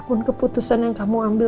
apapun keputusan yang kamu ambil